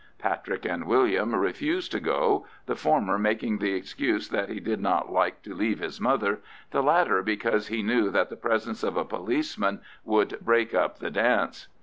Patrick and William refused to go, the former making the excuse that he did not like to leave his mother, the latter because he knew that the presence of a policeman would break up the dance.